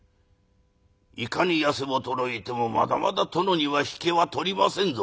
いかに痩せ衰えてもまだまだ殿には引けは取りませんぞ」。